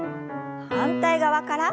反対側から。